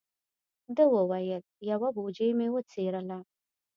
ده و ویل: یوه بوجۍ مې وڅیرله.